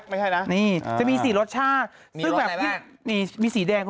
ไม่ให้นะนี่จะมีสี่รสชาติมีรสอะไรบ้างนี่มีสี่แดดครับ